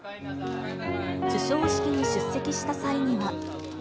授賞式に出席した際には。